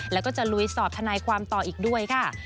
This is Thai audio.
แล้วก็จะลุยสอบทนายความต่ออีกด้วยค่ะ